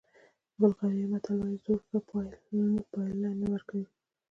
بلغاریایي متل وایي زور ښه پایله نه ورکوي.